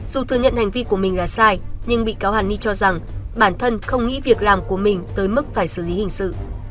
dù thừa nhận hành vi của mình là sai nhưng bị cáo hàn ni cho rằng bản thân không nghĩ việc làm của mình tới mức phải xử lý hình sự